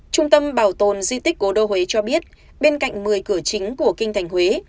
trung tâm bảo tồn di tích cố đô huế cho biết bên cạnh một mươi cửa chính của kinh thành huế